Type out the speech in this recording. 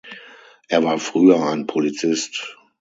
Er war früher ein Polizist.